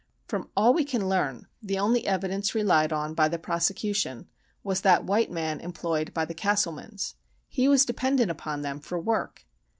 From all we can learn, the only evidence relied on by the prosecution was that white man employed by the Castlemans. He was dependent upon them for work.